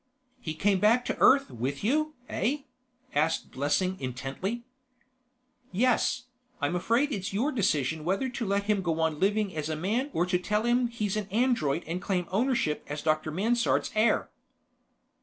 "He came back to Earth with you, eh?" asked Blessing intently. "Yes. I'm afraid it's your decision whether to let him go on living as a man or to tell him he's an android and claim ownership as Dr. Mansard's heir."